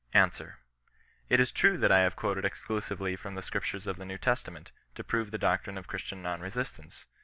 Answer. It is true that I have quoted exclusively from the Scriptures of the New Testament, to prove the doctrine of Christian non resistance.